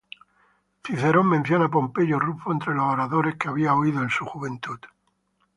Cicerón menciona a Pompeyo Rufo entre los oradores que había oído en su juventud.